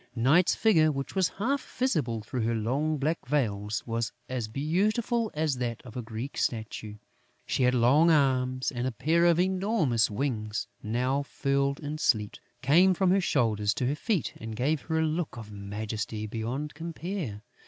Night's figure, which was half visible through her long black veils, was as beautiful as that of a Greek statue. She had long arms and a pair of enormous wings, now furled in sleep, came from her shoulders to her feet and gave her a look of majesty beyond compare.